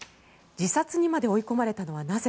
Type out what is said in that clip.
自殺にまで追い込まれたのはなぜ？